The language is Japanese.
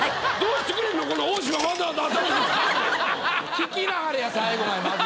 聞きなはれや最後までまず。